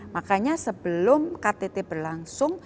makanya sebelum ktt berlangsung